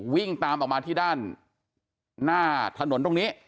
วิ่งตามออกมาที่ด้านหน้าถนนตรงนี้